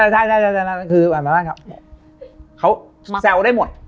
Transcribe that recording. ใช่คือแบบนั้นครับเขาแซวได้หมด